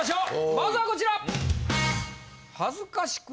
まずはこちら！